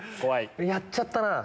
やっちゃったな。